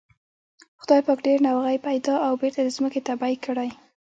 خدای پاک ډېر نوغې پيدا او بېرته د ځمکې تبی کړې.